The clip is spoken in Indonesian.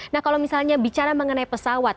nah kalau misalnya bicara mengenai pesawat